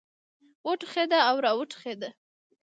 وټوخېده را وټوخېده.